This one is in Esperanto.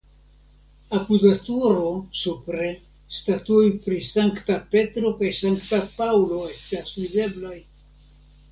Apud la turo (supre) statuoj pri Sankta Petro kaj Sankta Paŭlo estas videblaj.